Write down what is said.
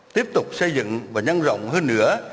tiếp tục xây dựng và nhanh rộng hơn nữa